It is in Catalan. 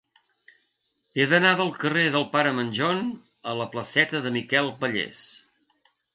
He d'anar del carrer del Pare Manjón a la placeta de Miquel Pallés.